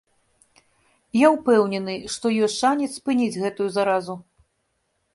Я ўпэўнены, што ёсць шанец спыніць гэтую заразу.